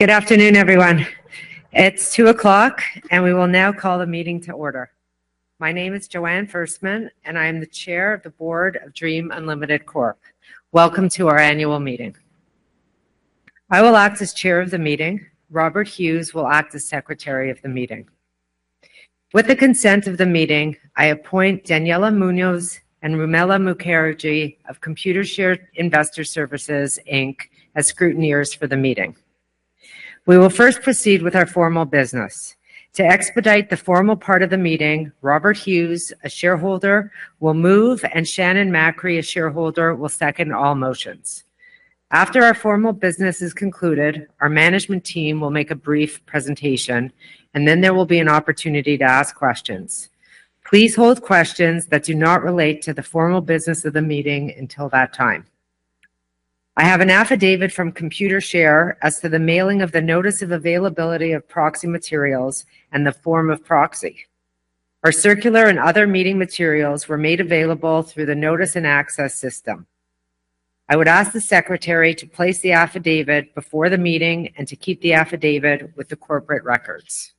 Good afternoon, everyone. It's 2:00 P.M., and we will now call the meeting to order. My name is Joanne Ferstman, and I am the Chair of the Board of Dream Unlimited Corp. Welcome to our annual meeting. I will act as chair of the meeting. Robert Hughes will act as secretary of the meeting. With the consent of the meeting, I appoint Daniela Munoz and Rumela Mukherjee of Computershare Investor Services Inc, as scrutineers for the meeting. We will first proceed with our formal business. To expedite the formal part of the meeting, Robert Hughes, a shareholder, will move, and Shannon Macri, a shareholder, will second all motions. After our formal business is concluded, our management team will make a brief presentation, and then there will be an opportunity to ask questions. Please hold questions that do not relate to the formal business of the meeting until that time. I have an affidavit from Computershare as to the mailing of the notice of availability of proxy materials and the form of proxy. Our circular and other meeting materials were made available through the notice and access system. I would ask the secretary to place the affidavit before the meeting and to keep the affidavit with the corporate records.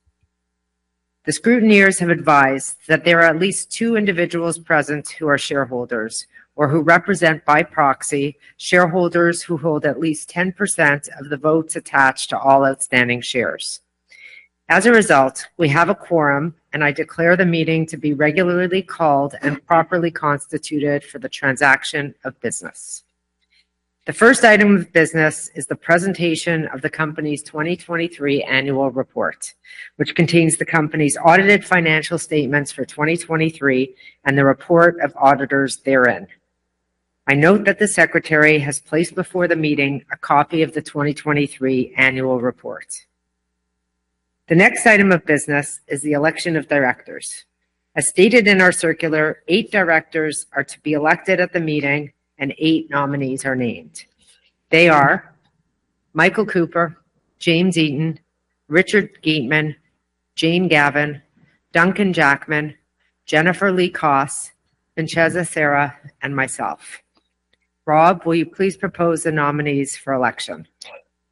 The scrutineers have advised that there are at least two individuals present who are shareholders or who represent by proxy, shareholders who hold at least 10% of the votes attached to all outstanding shares. As a result, we have a quorum, and I declare the meeting to be regularly called and properly constituted for the transaction of business. The first item of business is the presentation of the company's 2023 annual report, which contains the company's audited financial statements for 2023 and the report of auditors therein. I note that the secretary has placed before the meeting a copy of the 2023 annual report. The next item of business is the election of directors. As stated in our circular, eight directors are to be elected at the meeting, and eight nominees are named. They are Michael Cooper, James Eaton, Richard Gateman, Jane Gavan, Duncan Jackman, Jennifer Lee Koss, Vincenza Sera, and myself. Rob, will you please propose the nominees for election?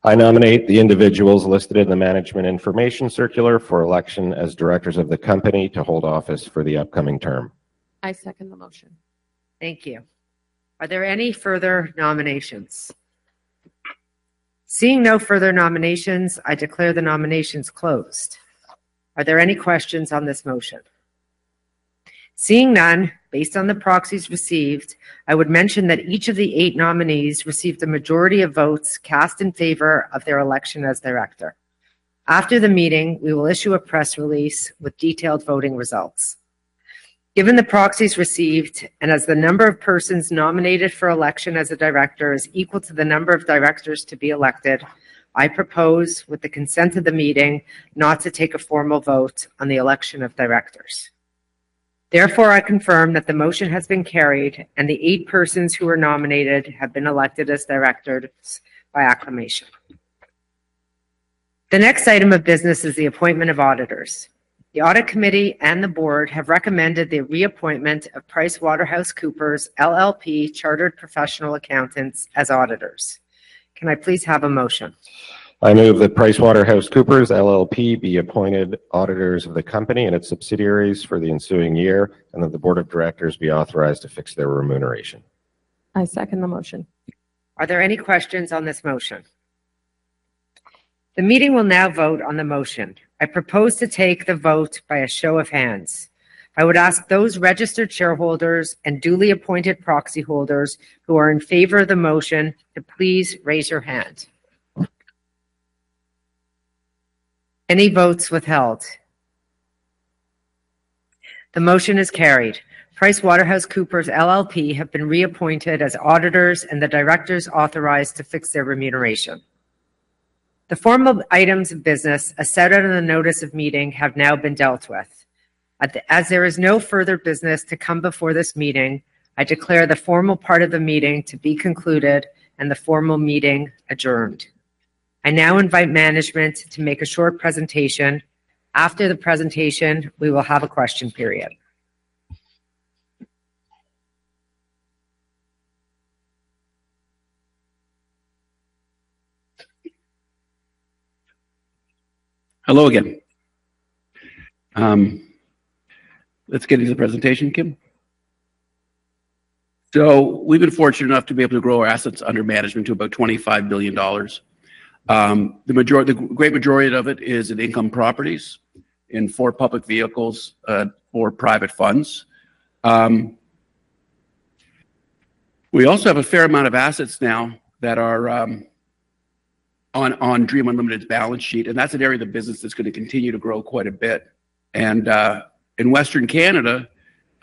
I nominate the individuals listed in the Management Information Circular for election as directors of the company to hold office for the upcoming term. I second the motion. Thank you. Are there any further nominations? Seeing no further nominations, I declare the nominations closed. Are there any questions on this motion? Seeing none, based on the proxies received, I would mention that each of the eight nominees received the majority of votes cast in favor of their election as director. After the meeting, we will issue a press release with detailed voting results. Given the proxies received, and as the number of persons nominated for election as a director is equal to the number of directors to be elected, I propose, with the consent of the meeting, not to take a formal vote on the election of directors. Therefore, I confirm that the motion has been carried and the eight persons who were nominated have been elected as directors by acclamation. The next item of business is the appointment of auditors. The audit committee and the board have recommended the reappointment of PricewaterhouseCoopers LLP, Chartered Professional Accountants, as auditors. Can I please have a motion? I move that PricewaterhouseCoopers LLP be appointed auditors of the company and its subsidiaries for the ensuing year, and that the board of directors be authorized to fix their remuneration. I second the motion. Are there any questions on this motion? The meeting will now vote on the motion. I propose to take the vote by a show of hands. I would ask those registered shareholders and duly appointed proxy holders who are in favor of the motion to please raise your hand. Any votes withheld? The motion is carried. PricewaterhouseCoopers LLP have been reappointed as auditors, and the directors authorized to fix their remuneration. The form of items of business as set out in the notice of meeting have now been dealt with. As there is no further business to come before this meeting, I declare the formal part of the meeting to be concluded and the formal meeting adjourned. I now invite management to make a short presentation. After the presentation, we will have a question period. Hello again. Let's get into the presentation, Kim. So we've been fortunate enough to be able to grow our assets under management to about 25 billion dollars. The majority, the great majority of it is in income properties, in four public vehicles, four private funds. We also have a fair amount of assets now that are on Dream Unlimited's balance sheet, and that's an area of the business that's going to continue to grow quite a bit. And in Western Canada,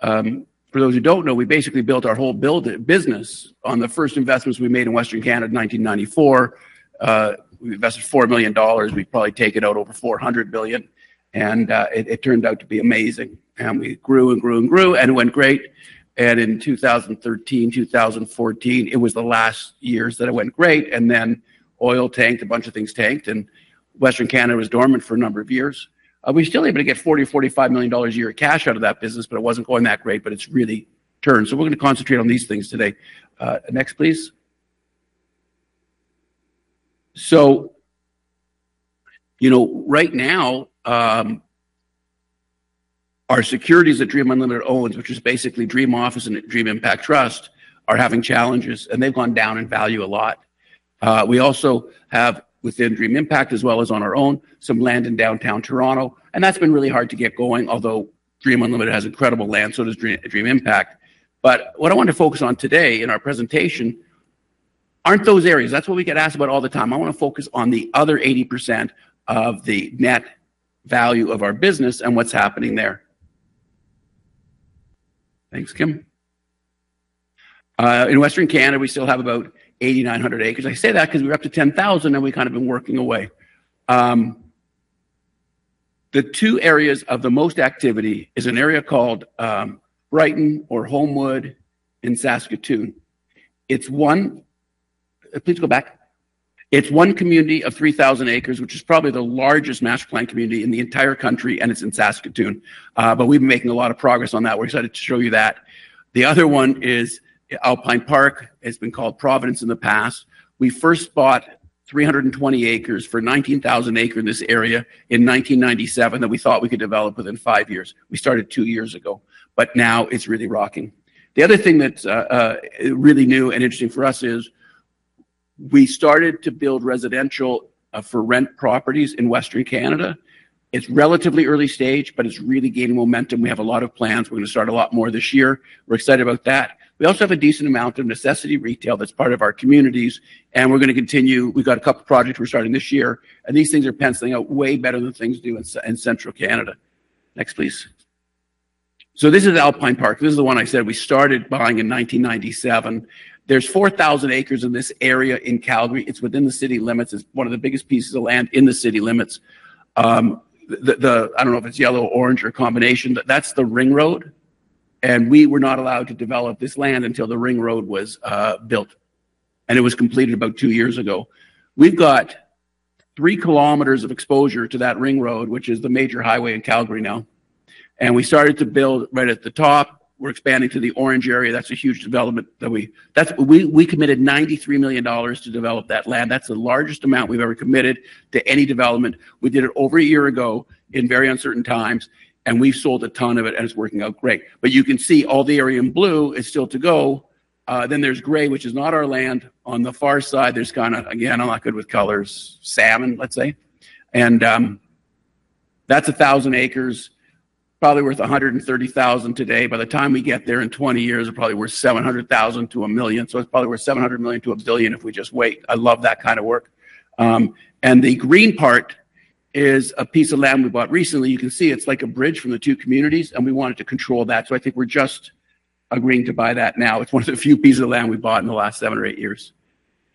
for those who don't know, we basically built our whole business on the first investments we made in Western Canada in 1994. We invested 4 million dollars. We've probably taken out over 400 billion, and it turned out to be amazing. And we grew and grew and grew, and it went great. In 2013, 2014, it was the last years that it went great, and then oil tanked, a bunch of things tanked, and Western Canada was dormant for a number of years. We're still able to get 40 million-45 million dollars a year of cash out of that business, but it wasn't going that great, but it's really turning. So we're going to concentrate on these things today. Next, please. So, you know, right now, our securities that Dream Unlimited owns, which is basically Dream Office and Dream Impact Trust, are having challenges, and they've gone down in value a lot. We also have, within Dream Impact as well as on our own, some land in downtown Toronto, and that's been really hard to get going, although Dream Unlimited has incredible land, so does Dream, Dream Impact. But what I want to focus on today in our presentation aren't those areas. That's what we get asked about all the time. I want to focus on the other 80% of the net value of our business and what's happening there. Thanks, Kim. In Western Canada, we still have about 8,900 acres. I say that because we're up to 10,000 acres, and we've kind of been working away. The two areas of the most activity is an area called Brighton or Holmwood in Saskatoon. It's one—Please go back. It's one community of 3,000 acres, which is probably the largest master plan community in the entire country, and it's in Saskatoon. But we've been making a lot of progress on that. We're excited to show you that. The other one is Alpine Park. It's been called Providence in the past. We first bought 320 acres for 19,000 an acre in this area in 1997, that we thought we could develop within five years. We started two years ago, but now it's really rocking. The other thing that's really new and interesting for us is, we started to build residential for rent properties in Western Canada. It's relatively early stage, but it's really gaining momentum. We have a lot of plans. We're going to start a lot more this year. We're excited about that. We also have a decent amount of necessity retail that's part of our communities, and we're going to continue. We've got a couple of projects we're starting this year, and these things are penciling out way better than things do in Central Canada. Next, please. So this is Alpine Park. This is the one I said we started buying in 1997. There's 4,000 acres in this area in Calgary. It's within the city limits. It's one of the biggest pieces of land in the city limits. The, the, I don't know if it's yellow, orange, or a combination, but that's the Ring Road, and we were not allowed to develop this land until the Ring Road was built, and it was completed about two years ago. We've got 3 km of exposure to that Ring Road, which is the major highway in Calgary now, and we started to build right at the top. We're expanding to the orange area. That's a huge development that we. That's. We, we committed 93 million dollars to develop that land. That's the largest amount we've ever committed to any development. We did it over a year ago in very uncertain times, and we've sold a ton of it, and it's working out great. But you can see all the area in blue is still to go. Then there's gray, which is not our land. On the far side, there's kinda, again, I'm not good with colors, salmon, let's say. And, that's 1,000 acres, probably worth 130,000 today. By the time we get there in 20 years, it's probably worth 700,000-1 million. So it's probably worth 700 million to a zillion if we just wait. I love that kind of work. And the green part is a piece of land we bought recently. You can see it's like a bridge from the two communities, and we wanted to control that. So I think we're just agreeing to buy that now. It's one of the few pieces of land we've bought in the last seven or eight years.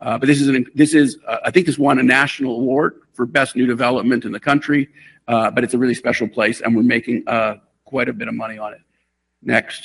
But this is, this is. I think this won a national award for best new development in the country. But it's a really special place, and we're making quite a bit of money on it. Next.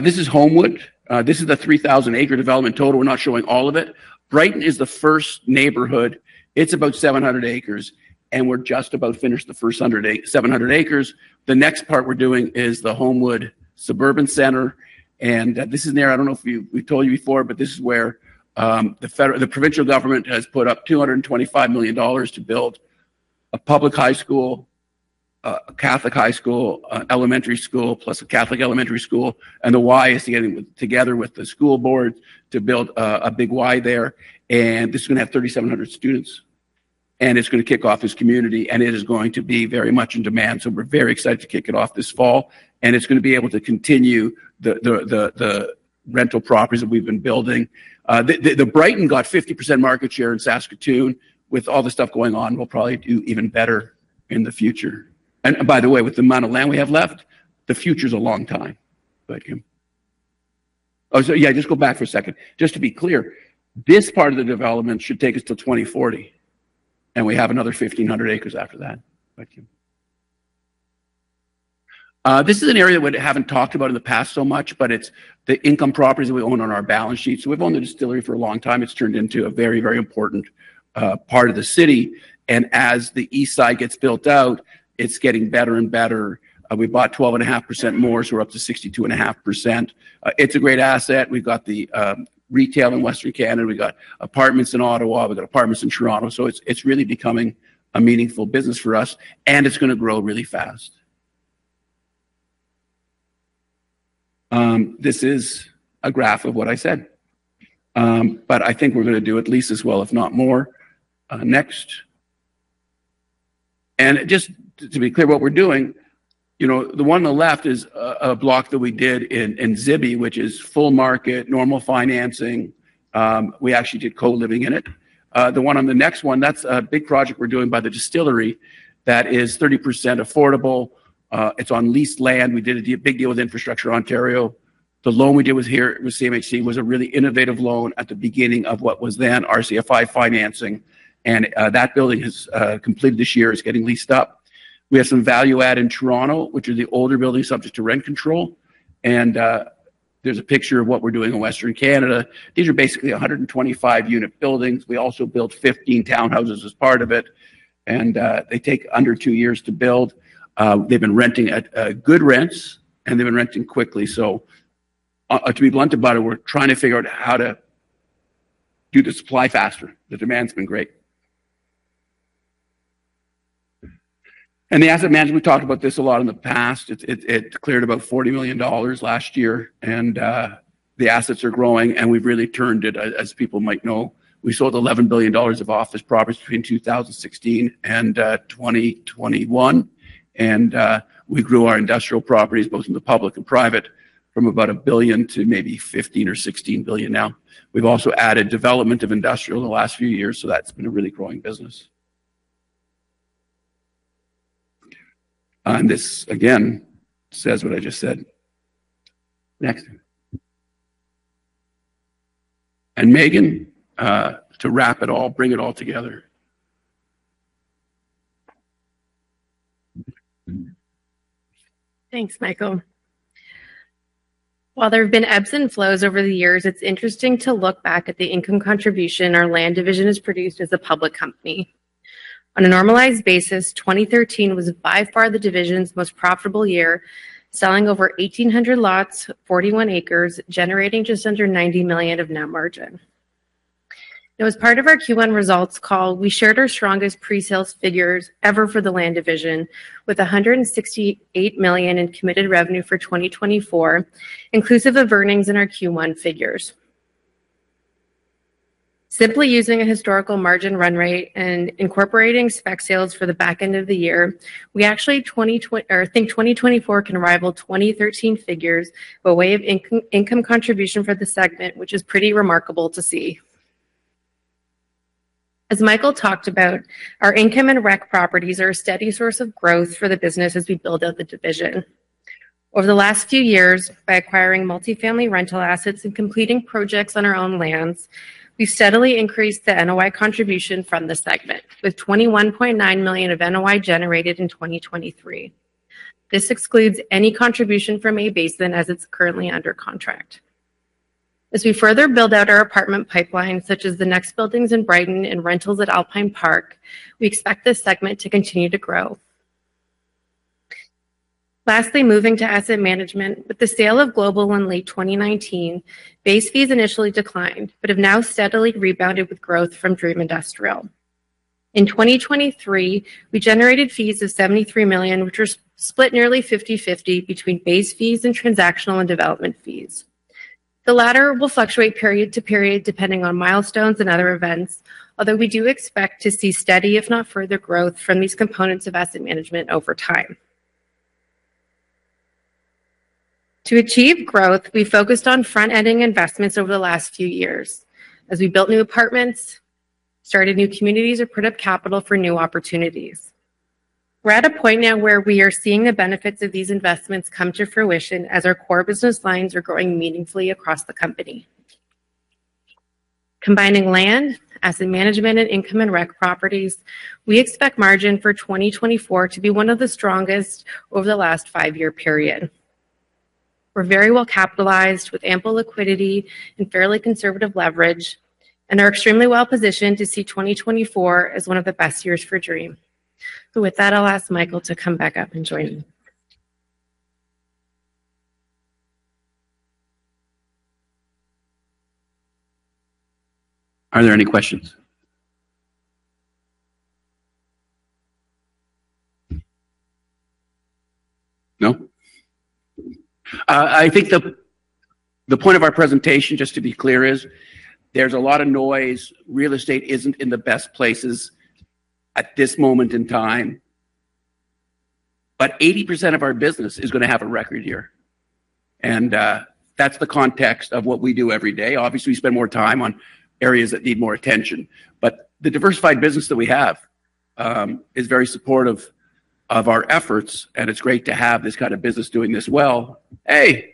This is Holmwood. This is the 3,000 acre development total. We're not showing all of it. Brighton is the first neighborhood. It's about 700 acres, and we're just about finished the first 100 700 acres. The next part we're doing is the Holmwood Suburban Centre and this is near—I don't know if we, we've told you before, but this is where the federal, the provincial government has put up 225 million dollars to build a public high school, a Catholic high school, an elementary school, plus a Catholic elementary school, and the Y is getting together with the school board to build a big Y there, and this is going to have 3,700 students, and it's going to kick off this community, and it is going to be very much in demand. So we're very excited to kick it off this fall, and it's going to be able to continue the rental properties that we've been building. The Brighton got 50% market share in Saskatoon. With all the stuff going on, we'll probably do even better in the future. And by the way, with the amount of land we have left, the future's a long time. Go back, Kim. Oh, so yeah, just go back for a second. Just to be clear, this part of the development should take us till 2040, and we have another 1,500 acres after that. Thank you. This is an area we haven't talked about in the past so much, but it's the income properties that we own on our balance sheet. So we've owned the distillery for a long time. It's turned into a very, very important part of the city, and as the east side gets built out, it's getting better and better. We bought 12.5% more, so we're up to 62.5%. It's a great asset. We've got the retail in Western Canada, we got apartments in Ottawa, we got apartments in Toronto. So it's really becoming a meaningful business for us, and it's going to grow really fast. This is a graph of what I said, but I think we're going to do at least as well, if not more. Next. And just to be clear, what we're doing, you know, the one on the left is a block that we did in Zibi, which is full market, normal financing. We actually did co-living in it. The one on the next one, that's a big project we're doing by the Distillery that is 30% affordable. It's on leased land. We did a big deal with Infrastructure Ontario. The loan we did with here, with CMHC, was a really innovative loan at the beginning of what was then RCFI financing, and that building is completed this year. It's getting leased up. We have some value add in Toronto, which are the older buildings subject to rent control, and... There's a picture of what we're doing in Western Canada. These are basically 125-unit buildings. We also built 15 townhouses as part of it, and they take under two years to build. They've been renting at good rents, and they've been renting quickly. So, to be blunt about it, we're trying to figure out how to do the supply faster. The demand's been great. And the asset management, we talked about this a lot in the past. It declared about 40 million dollars last year, and the assets are growing, and we've really turned it, as people might know. We sold 11 billion dollars of office properties between 2016 and 2021. And we grew our industrial properties, both in the public and private, from about 1 billion to maybe 15 billion or 16 billion now. We've also added development of industrial in the last few years, so that's been a really growing business. And this, again, says what I just said. Next. And Meaghan, to wrap it all, bring it all together. Thanks, Michael. While there have been ebbs and flows over the years, it's interesting to look back at the income contribution our land division has produced as a public company. On a normalized basis, 2013 was by far the division's most profitable year, selling over 1,800 lots, 41 acres, generating just under 90 million of net margin. Now, as part of our Q1 results call, we shared our strongest pre-sales figures ever for the land division, with 168 million in committed revenue for 2024, inclusive of earnings in our Q1 figures. Simply using a historical margin run rate and incorporating spec sales for the back end of the year, we actually think 2024 can rival 2013 figures by way of income contribution for the segment, which is pretty remarkable to see. As Michael talked about, our income and rec properties are a steady source of growth for the business as we build out the division. Over the last few years, by acquiring multifamily rental assets and completing projects on our own lands, we've steadily increased the NOI contribution from the segment, with 21.9 million of NOI generated in 2023. This excludes any contribution from A-Basin as it's currently under contract. As we further build out our apartment pipeline, such as the next buildings in Brighton and rentals at Alpine Park, we expect this segment to continue to grow. Lastly, moving to asset management. With the sale of Global in late 2019, base fees initially declined, but have now steadily rebounded with growth from Dream Industrial. In 2023, we generated fees of 73 million, which was split nearly 50/50 between base fees and transactional and development fees. The latter will fluctuate period to period, depending on milestones and other events, although we do expect to see steady, if not further, growth from these components of asset management over time. To achieve growth, we focused on front-ending investments over the last few years as we built new apartments, started new communities, or put up capital for new opportunities. We're at a point now where we are seeing the benefits of these investments come to fruition as our core business lines are growing meaningfully across the company. Combining land, asset management, and income and rec properties, we expect margin for 2024 to be one of the strongest over the last five-year period. We're very well capitalized, with ample liquidity and fairly conservative leverage, and are extremely well positioned to see 2024 as one of the best years for Dream. With that, I'll ask Michael to come back up and join me. Are there any questions? No? I think the point of our presentation, just to be clear, is there's a lot of noise. Real estate isn't in the best places at this moment in time, but 80% of our business is gonna have a record year, and that's the context of what we do every day. Obviously, we spend more time on areas that need more attention, but the diversified business that we have is very supportive of our efforts, and it's great to have this kind of business doing this well. Hey! Do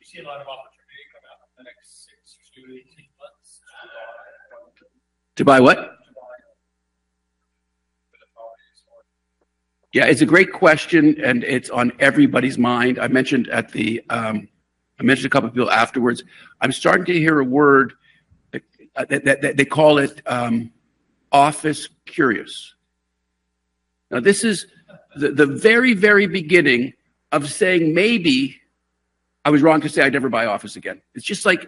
you see a lot of opportunity come out in the next six to 18 months to buy? To buy what? To buy. Yeah, it's a great question, and it's on everybody's mind. I mentioned a couple of people afterwards. I'm starting to hear a word that they call it, office curious. Now, this is the very, very beginning of saying maybe I was wrong to say I'd never buy office again. It's just like,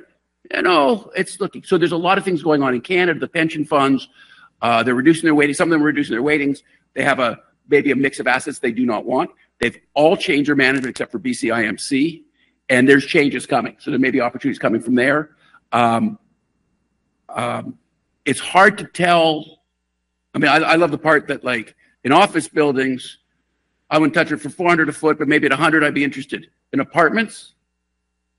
you know, it's looking... So there's a lot of things going on in Canada, the pension funds, they're reducing their weighting. Some of them are reducing their weightings. They have a, maybe a mix of assets they do not want. They've all changed their management except for BCIMC, and there's changes coming, so there may be opportunities coming from there. It's hard to tell. I mean, I love the part that, like, in office buildings, I wouldn't touch it for 400 a foot, but maybe at 100, I'd be interested. In apartments,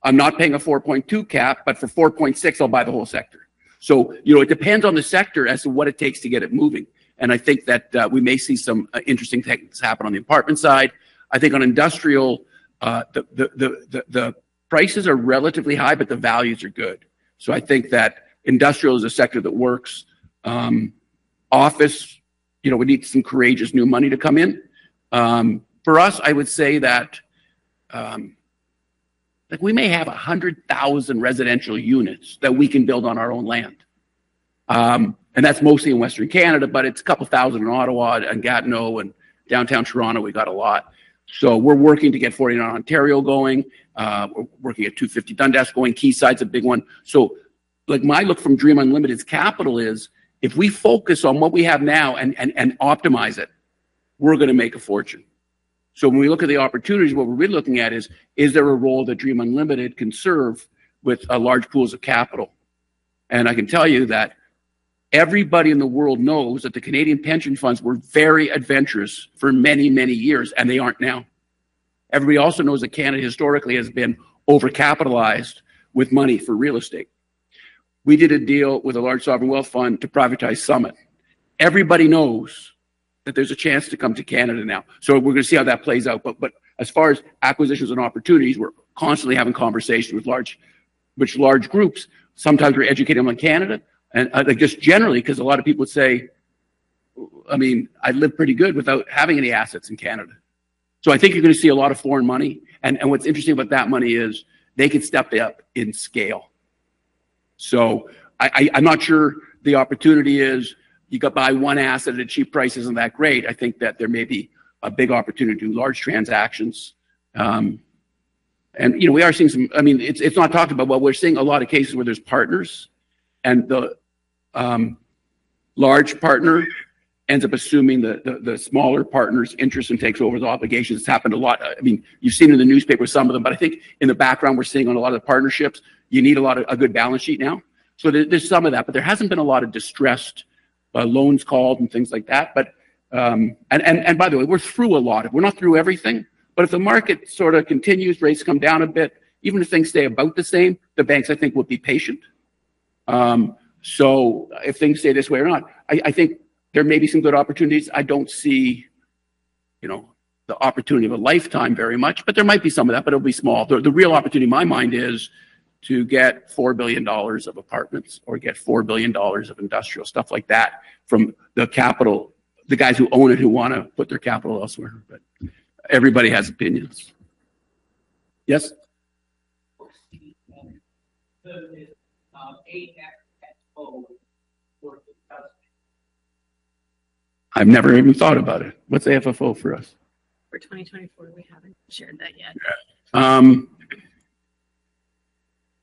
I'm not paying a 4.2 cap, but for 4.6, I'll buy the whole sector. So you know, it depends on the sector as to what it takes to get it moving, and I think that we may see some interesting things happen on the apartment side. I think on industrial, the prices are relatively high, but the values are good. So I think that industrial is a sector that works. Office, you know, we need some courageous new money to come in. For us, I would say that, like, we may have 100,000 residential units that we can build on our own land. And that's mostly in Western Canada, but it's a couple thousand in Ottawa and Gatineau, and downtown Toronto, we got a lot. So we're working to get 49 Ontario going. We're working at 250 Dundas going, Quayside's a big one. So like, my look from Dream Unlimited's capital is, if we focus on what we have now and optimize it, we're going to make a fortune. So when we look at the opportunities, what we're really looking at is there a role that Dream Unlimited can serve with large pools of capital? And I can tell you that everybody in the world knows that the Canadian pension funds were very adventurous for many, many years, and they aren't now. Everybody also knows that Canada historically has been over-capitalized with money for real estate. We did a deal with a large sovereign wealth fund to privatize Summit. Everybody knows that there's a chance to come to Canada now, so we're going to see how that plays out. But as far as acquisitions and opportunities, we're constantly having conversations with large groups. Sometimes we educate them on Canada, and just generally, because a lot of people would say, "I mean, I live pretty good without having any assets in Canada." So I think you're going to see a lot of foreign money, and what's interesting about that money is they can step it up in scale. So I'm not sure the opportunity is you can buy one asset at a cheap price isn't that great. I think that there may be a big opportunity to do large transactions. And, you know, we are seeing some. I mean, it's not talked about, but we're seeing a lot of cases where there's partners, and the large partner ends up assuming the smaller partner's interest and takes over the obligations. It's happened a lot. I mean, you've seen in the newspaper some of them, but I think in the background, we're seeing on a lot of the partnerships, you need a lot of a good balance sheet now. So there's some of that, but there hasn't been a lot of distressed loans called and things like that. But and by the way, we're through a lot. We're not through everything, but if the market sort of continues, rates come down a bit, even if things stay about the same, the banks, I think, will be patient. So if things stay this way or not, I think there may be some good opportunities. I don't see, you know, the opportunity of a lifetime very much, but there might be some of that, but it'll be small. The real opportunity in my mind is to get 4 billion dollars of apartments or get 4 billion dollars of industrial, stuff like that, from the capital, the guys who own it, who wanna put their capital elsewhere. But everybody has opinions. Yes? I've never even thought about it. What's AFFO for us? For 2024, we haven't shared that yet. Yeah.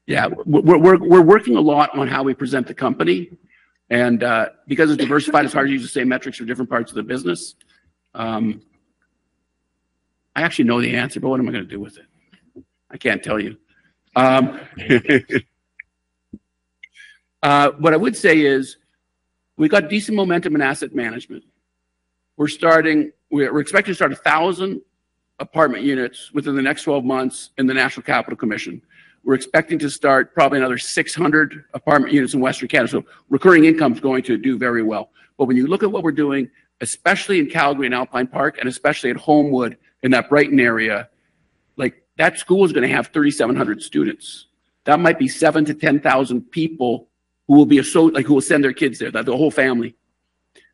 Yeah, we're working a lot on how we present the company, and because it's diversified, it's hard to use the same metrics for different parts of the business. I actually know the answer, but what am I gonna do with it? I can't tell you. What I would say is we've got decent momentum in asset management. We're starting—we're expecting to start 1,000 apartment units within the next 12 months in the National Capital Commission. We're expecting to start probably another 600 apartment units in Western Canada. So recurring income is going to do very well. But when you look at what we're doing, especially in Calgary and Alpine Park, and especially at Holmwood in that Brighton area, like, that school is going to have 3,700 students. That might be 7,000-10,000 people who will be like, who will send their kids there, the whole family.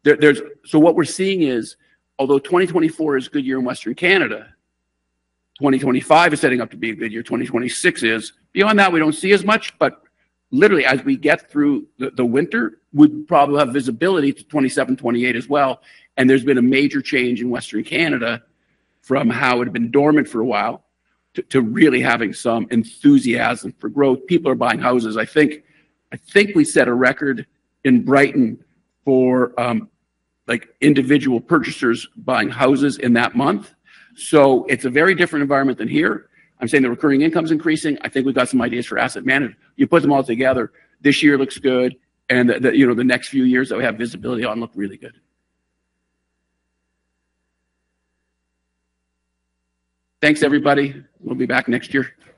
There's. So what we're seeing is, although 2024 is a good year in Western Canada, 2025 is setting up to be a good year, 2026 is. Beyond that, we don't see as much, but literally, as we get through the winter, we'd probably have visibility to 2027, 2028 as well, and there's been a major change in Western Canada from how it had been dormant for a while to really having some enthusiasm for growth. People are buying houses. I think we set a record in Brighton for like, individual purchasers buying houses in that month. So it's a very different environment than here. I'm saying the recurring income is increasing. I think we've got some ideas for asset management. You put them all together, this year looks good, and you know, the next few years that we have visibility on look really good. Thanks, everybody. We'll be back next year.